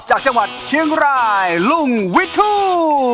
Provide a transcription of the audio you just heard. จากจังหวัดเชียงรายลุงวิทู